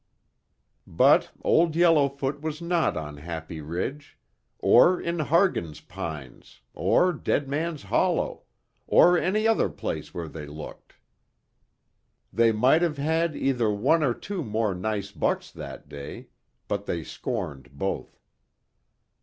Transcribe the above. But Old Yellowfoot was not on Happy Ridge, or in Hargen's Pines or Dead Man's Hollow, or any other place where they looked. They might have had either one of two more nice bucks that day, but they scorned both.